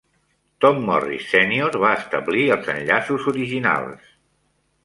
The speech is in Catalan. Tom Morris Sr. va establir els enllaços originals.